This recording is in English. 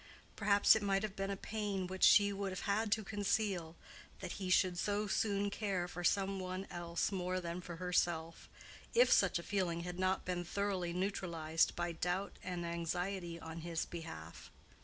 Perhaps it might have been a pain which she would have had to conceal, that he should so soon care for some one else more than for herself, if such a feeling had not been thoroughly neutralized by doubt and anxiety on his behalf.